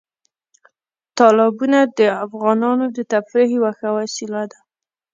تالابونه د افغانانو د تفریح یوه ښه وسیله ده.